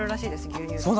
牛乳って。